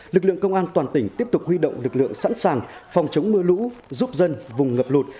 lực lượng công an toàn tỉnh tiếp tục huy động lực lượng sẵn sàng phòng chống mưa lũ giúp dân vùng ngập lụt